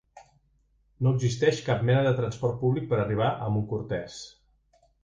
No existeix cap mena de transport públic per arribar a Montcortès.